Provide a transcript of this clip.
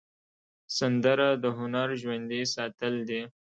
سندره د هنر ژوندي ساتل دي